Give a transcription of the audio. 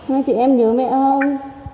hai chị em nhớ mẹ không